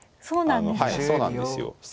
そうなんですよ。